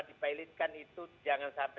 dipilotkan itu jangan sampai